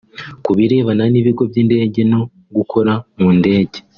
ku birebana n’ibigo by’indege no gukora mu ndege